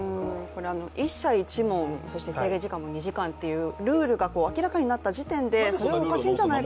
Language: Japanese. １社１問、そして制限時間があるというルールが明らかになった時点で、それはおかしいんじゃないかと。